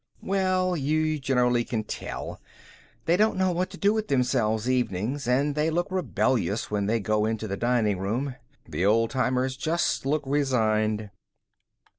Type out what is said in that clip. "Well, you generally can tell. They don't know what to do with themselves evenings, and they look rebellious when they go into the dining room. The old timers just look resigned."